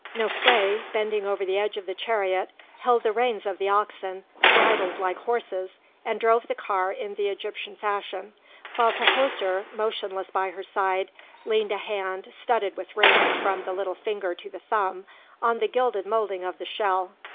Nofré, bending over the edge of the chariot, held the reins of the oxen, bridled like horses, and drove the car in the Egyptian fashion, while Tahoser, motionless by her side, leaned a hand, studded with rings from the little finger to the thumb, on the gilded moulding of the shell.